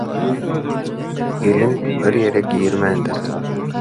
Gelin bir ýere girmändir.